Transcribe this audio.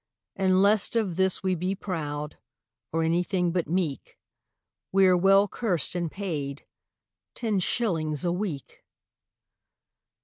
"And lest of this we be proud Or anything but meek, We are well cursed and paid— Ten shillings a week!"